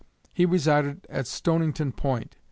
He resided at Stonington point.